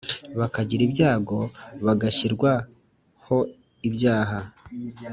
bakagira ibyago bagashyirwaho ibyaha